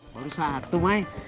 waduh satu mai